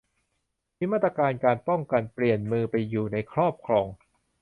มีมาตรการป้องกันการเปลี่ยนมือไปอยู่ในครอบครอง